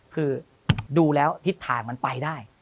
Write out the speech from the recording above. คือดูแล้วทิศทางมันไปได้